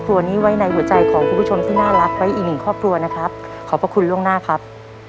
กับหมายเลขสองครับ